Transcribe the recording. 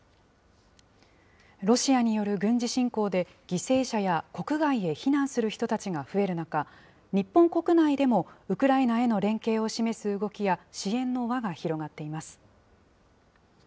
ロシアによる軍事侵攻で、犠牲者や国外へ避難する人たちが増える中、日本国内でもウクライナへの連携を示す動きや支援の輪が広がっています。